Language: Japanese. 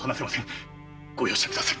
ご容赦ください！